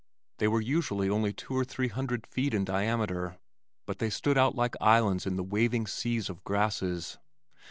They were usually only two or three hundred feet in diameter, but they stood out like islands in the waving seas of grasses.